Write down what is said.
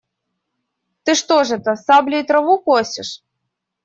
Ты что ж это, саблей траву косишь?